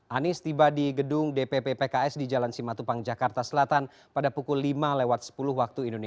anies tiba di gedung dpp pks di jalan simatupang jakarta selatan pada pukul lima lewat sepuluh waktu indonesia